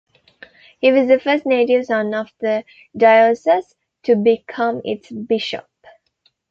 He was the first native son of the diocese to become its bishop.